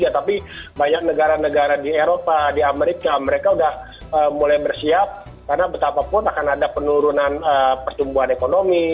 tapi banyak negara negara di eropa di amerika mereka sudah mulai bersiap karena betapapun akan ada penurunan pertumbuhan ekonomi